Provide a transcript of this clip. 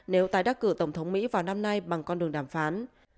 nếu tái đắc cử tổng thống mỹ vào năm nay bằng con đường đàm phán